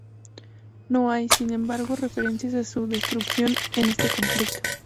No hay, sin embargo, referencias a su destrucción en este conflicto.